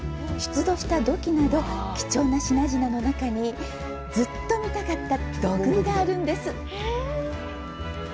出土した土器など貴重な品々の中にずっと見たかった土偶があるんです！